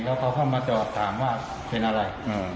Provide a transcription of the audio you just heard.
แล้วเขาก็มาตอบถามว่าเป็นอะไร